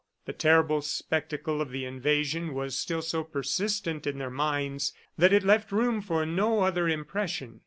The terrible spectacle of the invasion was still so persistent in their minds that it left room for no other impression.